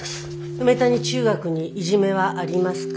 梅谷中学にいじめはありますか？